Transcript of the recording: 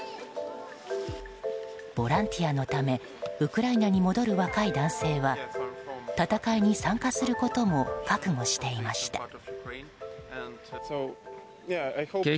ボランティアのためウクライナに戻る若い男性は戦いに参加することも覚悟していました。